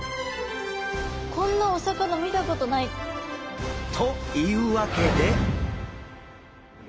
こんなお魚見たことない。というわけで！